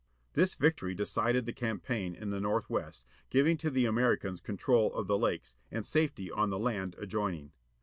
This victory decided the campaign in the northwest, giving to the Americans control of the Lakes, and safety on the land adjoining.